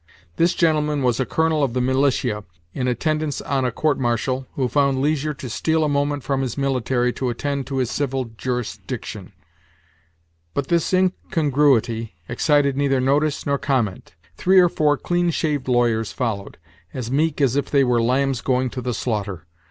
This gentleman was a colonel of the militia, in attendance on a court martial, who found leisure to steal a moment from his military to attend to his civil jurisdiction; but this incongruity excited neither notice nor comment. Three or four clean shaved lawyers followed, as meek as if they were lambs going to the slaughter.